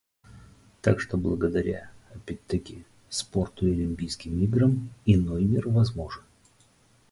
Так что благодаря, опять-таки, спорту и Олимпийским играм, иной мир возможен.